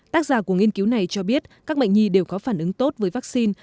tác giả của nghiên cứu này cho biết các bệnh nhi đều có phản ứng tốt với vaccine